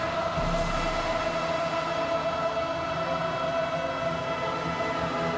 พระนึงจะให้เสียงทุกคนดังไปถึงภาพประวัติศาสตร์แทนความจงรักพักดีอีกครั้ง